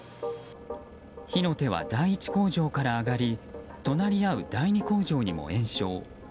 火の手は第一工場から上がり隣り合う第二工場にも延焼。